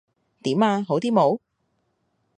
點呀？好啲冇？